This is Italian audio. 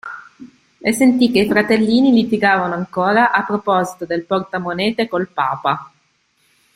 E sentì che i fratellini litigavano ancora a proposito del portamonete col papa.